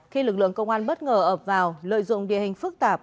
khi lực lượng công an bất ngờ ập vào lợi dụng địa hình phức tạp